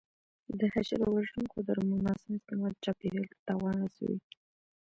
د حشره وژونکو درملو ناسم استعمال چاپېریال ته تاوان رسوي.